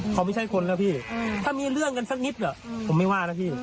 เขาไม่ใช่คนแล้วพี่ถ้ามีเรื่องกันสักนิดผมไม่ว่านะพี่